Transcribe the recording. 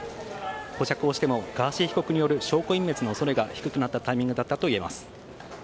保釈をしてもガーシー被告による証拠隠滅の恐れが低くなったタイミングだったといえます。